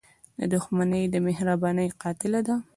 • دښمني د مهربانۍ قاتله ده.